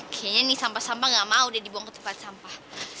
kayaknya nih sampah sampah nggak mau udah dibuang ke tempat sampah